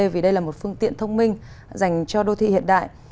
vì đây là một phương tiện thông minh dành cho đô thị hiện đại